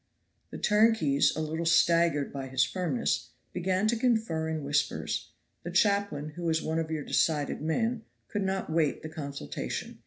The turnkeys, a little staggered by his firmness, began to confer in whispers. The chaplain, who was one of your decided men, could not wait the consultation.